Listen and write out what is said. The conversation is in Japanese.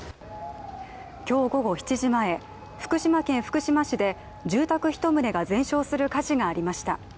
今日午後７時前、福島県福島市で住宅１棟が全焼する火事がありました。